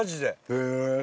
へえ。